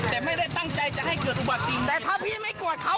แต่ไม่ได้ตั้งใจจะให้เกิดอุบัติเหตุแต่ถ้าพี่ไม่โกรธเขา